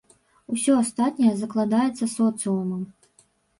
Усё астатняе закладаецца соцыумам.